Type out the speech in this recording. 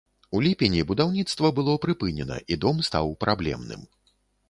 У ліпені будаўніцтва было прыпынена, і дом стаў праблемным.